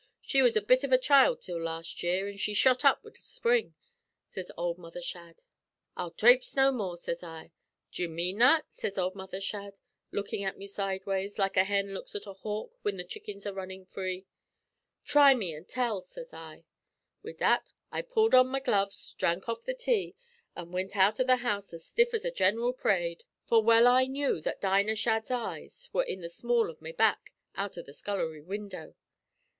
She was a bit av a child till last year, an' she shot up wid the spring,' sez ould Mother Shadd. 'I'll thraipse no more,' sez I. 'D'you mane that?' sez ould Mother Shadd, lookin' at me sideways, like a hen looks at a hawk whin the chickens are runnin' free. 'Try me, an' tell,' sez I. Wid that I pulled on my gloves, dhrank off the tea, an' wint out av the house as stiff as at gineral p'rade, for well I knew that Dinah Shadd's eyes were in the small av my back out av the scullery window.